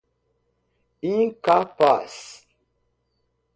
incapaz